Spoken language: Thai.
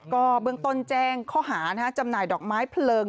ก็เบื้องต้นแจ้งข้อหาจำหน่ายดอกไม้เพลิง